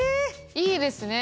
いいですね。